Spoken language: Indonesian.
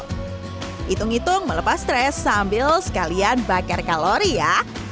hitung hitung melepas stres sambil sekalian bakar kalori ya